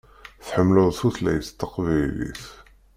Tḥemmleḍ tutlayt taqbaylit.